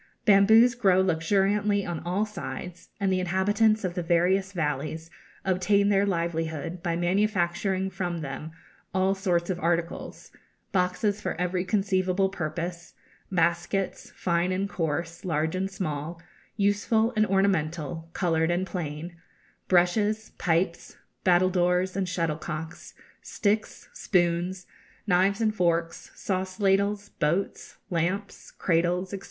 Bamboos grow luxuriantly on all sides, and the inhabitants of the various valleys obtain their livelihood by manufacturing from them all sorts of articles: boxes for every conceivable purpose; baskets, fine and coarse, large and small, useful and ornamental, coloured and plain; brushes, pipes, battledores and shuttlecocks, sticks, spoons, knives and forks, sauce ladles, boats, lamps, cradles, &c.